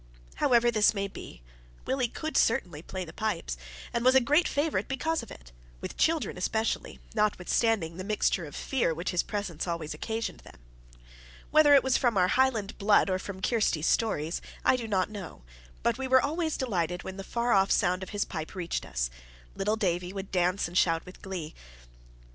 However this may be, Willie could certainly play the pipes, and was a great favourite because of it with children especially, notwithstanding the mixture of fear which his presence always occasioned them. Whether it was from our Highland blood or from Kirsty's stories, I do not know, but we were always delighted when the far off sound of his pipes reached us: little Davie would dance and shout with glee.